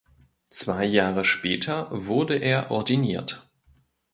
Zwei Jahre später wurde er ordiniert.